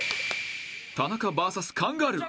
［田中ＶＳカンガルー］